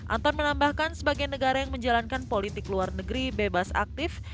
anton menambahkan sebagai negara yang menjalankan politik luar negeri bebas aktif